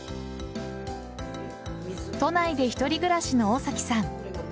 都内で一人暮らしの大崎さん。